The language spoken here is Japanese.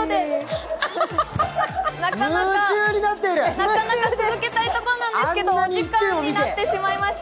なかなか続けたいところなんですけど、お時間になってしまいました。